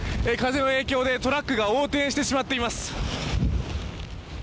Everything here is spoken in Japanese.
風の影響でトラックが横転してしまっています。